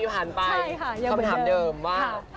ใช่ค่ะคำถามเดิมว่า